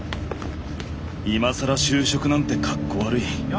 今更就職なんて格好悪い。